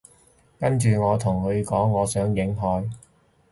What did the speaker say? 跟住我同佢講我想影海